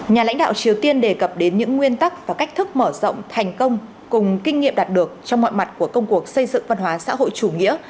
nhà lãnh đạo triều tiên đề cập đến những nguyên tắc và cách thức mở rộng thành công cùng kinh nghiệm đạt được trong mọi mặt của công cuộc xây dựng văn hóa xã hội chủ nghĩa